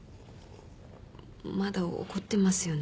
まだ怒ってますよね？